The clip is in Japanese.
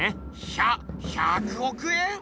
ひゃ１００億円